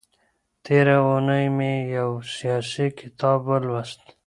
تېره اونۍ مي يو سياسي کتاب ولوست.